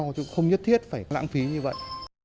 chúng tôi cũng không nhất thiết phải lãng phí như vậy